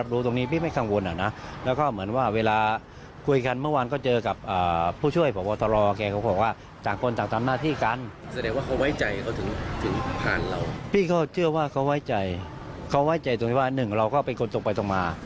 เราก็เป็นคนตรงไปตรงมา